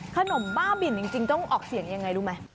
บ้าบินจริงต้องออกเสียงยังไงรู้ไหม